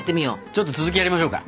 ちょっと続きやりましょうか。